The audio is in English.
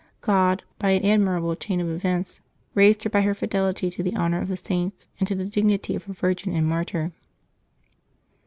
G^kI, by an admirable chain of events, raised her by her fidelity to the honor of the saints, and to the dignity of a virgin and martvr.